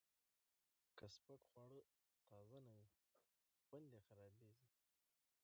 که سپک خواړه تازه نه وي، خوند یې خرابېږي.